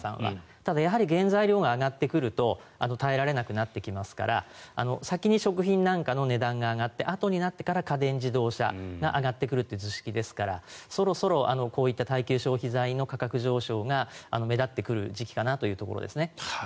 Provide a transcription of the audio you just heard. ただ、原材料が上がってくると耐えられなくなってきますから先に食品なんかの値段が上がってあとになってから家電・自動車が上がってくるという図式ですからそろそろ、こういった耐久消費財の価格上昇が目立ってくる時期かなというところですね。